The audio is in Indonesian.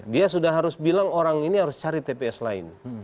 dia sudah harus bilang orang ini harus cari tps lain